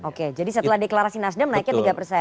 oke jadi setelah deklarasi nasdem naiknya tiga persen